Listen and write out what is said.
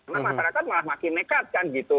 karena masyarakat malah makin nekat kan gitu